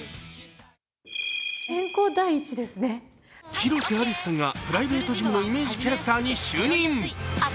広瀬アリスさんがプライベートジムのイメージキャラクターに就任。